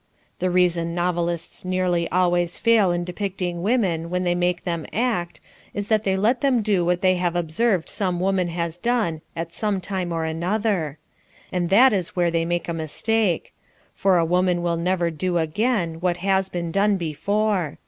The reason novelists nearly always fail in depicting women when they make them act, is that they let them do what they have observed some woman has done at sometime or another. And that is where they make a mistake; for a woman will never do again what has been done before.